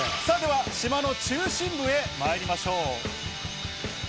さぁ、では島の中心部へまいりましょう。